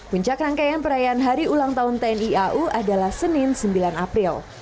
puncak rangkaian perayaan hari ulang tahun tni au adalah senin sembilan april